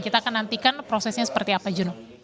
kita akan nantikan prosesnya seperti apa jono